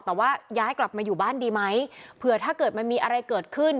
แต่ว่าย้ายกลับมาอยู่บ้านดีไหมเผื่อถ้าเกิดมันมีอะไรเกิดขึ้น